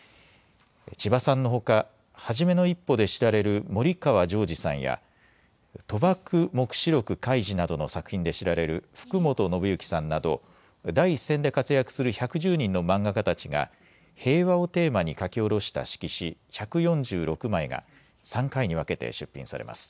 ちばさんのほか、はじめの一歩で知られる森川ジョージさんや賭博黙示録カイジなどの作品で知られる福本伸行さんなど、第一線で活躍する１１０人の漫画家たちが平和をテーマに描き下ろした色紙１４６枚が３回に分けて出品されます。